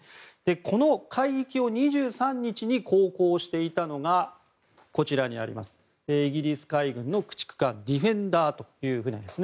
この海域を２３日に航行していたのがイギリス海軍の駆逐艦「ディフェンダー」という船です。